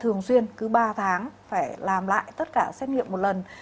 thường xuyên cứ ba tháng phải làm lại tất cả xét nghiệm một lần